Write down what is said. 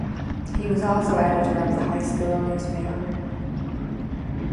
He was also editor of the high school newspaper.